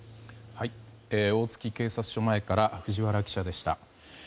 大月警察署前から藤原記者でした。